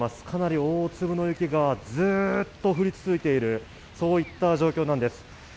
かなり大粒の雪がずーっと降り続いている、そういった状況なんです。